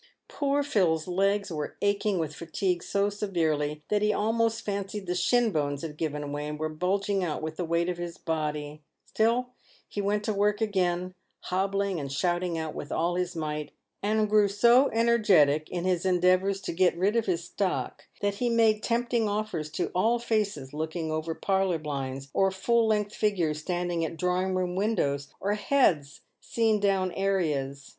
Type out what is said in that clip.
Poor Phil's legs were aching with fatigue so severely, that he almost fancied the shin bones had given way, and w r ere bulging out with the weight of his body. Still he went to work again, hobbling and shouting out with all his might, and grew so energetic in his endeavours to get rid of his stock, that he made tempting offers to all faces looking over parlour blinds, or full length figures standing at drawing room windows, or heads seen down areas.